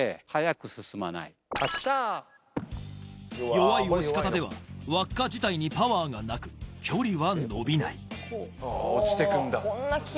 弱い押し方では輪っか自体にパワーがなく距離はのびない落ちてくんだ。